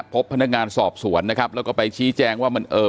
พบพนักงานสอบสวนนะครับแล้วก็ไปชี้แจงว่ามันเอ่อ